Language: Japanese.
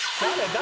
誰？